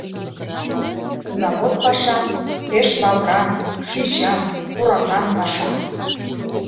Завод паша — пеш лавран, шӱчан, пуракан паша.